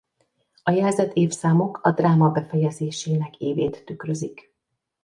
A jelzett évszámok a dráma befejezésének évét tükrözik.